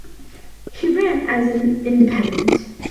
He ran as an independent.